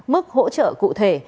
mức hỗ trợ cụ thể